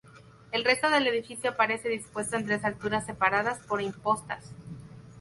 El resto del edificio aparece dispuesto en tres alturas separadas por impostas.